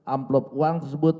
amplop uang tersebut